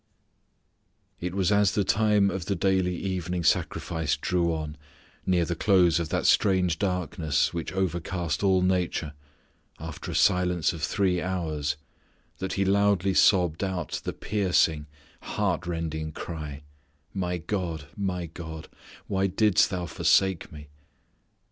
It was as the time of the daily evening sacrifice drew on, near the close of that strange darkness which overcast all nature, after a silence of three hours, that He loudly sobbed out the piercing, heart rending cry, "My God, My God, why didst Thou forsake Me?"